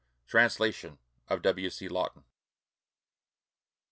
Translation of W. C. Lawton.